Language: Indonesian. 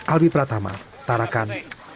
albi pratama tarakan